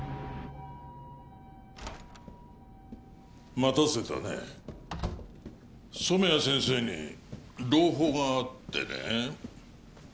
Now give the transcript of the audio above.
待たせたね染谷先生に朗報があってね